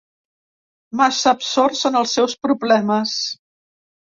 Massa absorts en els seus problemes.